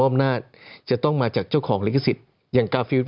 พวกยุโรอเมริกาหรือญี่ปุ่นการ์ตูนต่างประเทศต้องเจ้าของลิขสิทธิ์คือพวกยุโรอเมริกาหรือญี่ปุ่น